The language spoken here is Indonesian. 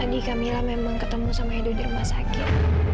tadi kamila memang ketemu sama edo di rumah sakit